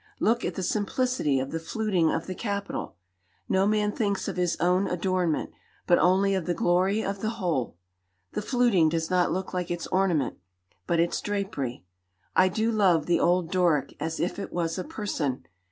Look at the simplicity of the fluting of the capital. No man thinks of his own adornment, but only of the glory of the whole. The fluting does not look like its ornament, but its drapery. I do love the old Doric as if it was a person.